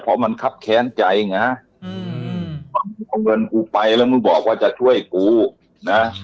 พอมันคับแขนใจเนี่ยกับเมืองว่าเอำ่วนกูไปแล้วมึงบอกว่าจะช่วยกูนะ